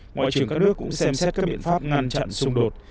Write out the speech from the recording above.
ngoại trưởng các nước cũng xem xét các biện pháp ngăn chặn xung đột